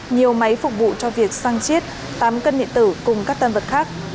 nhiều máy phục vụ cho việc sang chít tám cân điện tử cùng các tân vật khác